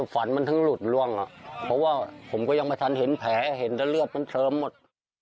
ฝันมันถึงหลุดล่วงเพราะว่าผมก็ยังไม่ทันเห็นแผลเห็นแต่เลือดมันเชิมหมด